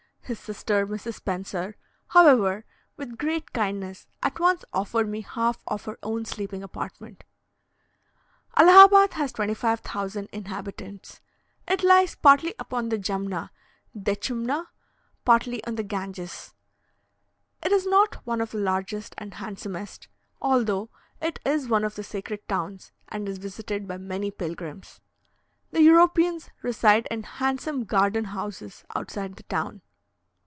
His sister, Mrs. Spencer, however, with great kindness, at once offered me half of her own sleeping apartment. Allahabad has 25,000 inhabitants. It lies partly upon the Jumna (Deschumna), partly on the Ganges. It is not one of the largest and handsomest, although it is one of the sacred towns, and is visited by many pilgrims. The Europeans reside in handsome garden houses outside the town.